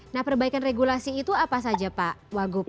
nah perbaikan regulasi itu apa saja pak wagub